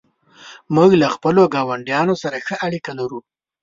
موږ له خپلو ګاونډیانو سره ښه اړیکه لرو.